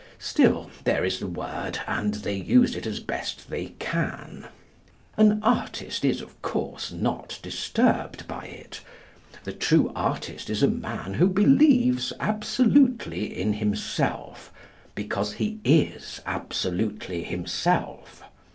Still, there is the word, and they use it as best they can. An artist is, of course, not disturbed by it. The true artist is a man who believes absolutely in himself, because he is absolutely himself.